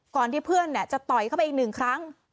ก่อนที่เพื่อนจะต่อยเข้าไปอีกหนึ่งครั้ง